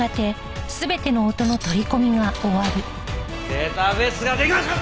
「」「」データベースが出来ました！